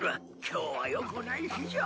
今日はよくない日じゃ。